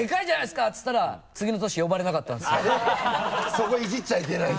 そこイジっちゃいけないんだ。